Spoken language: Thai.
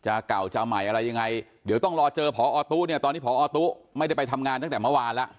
เก่าจะใหม่อะไรยังไงเดี๋ยวต้องรอเจอพอตู้เนี่ยตอนนี้พอตู้ไม่ได้ไปทำงานตั้งแต่เมื่อวานแล้ว